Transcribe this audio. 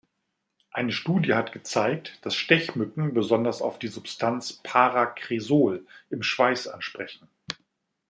Eine Studie hat gezeigt, dass Stechmücken besonders auf die Substanz para-Kresol im Schweiß ansprechen.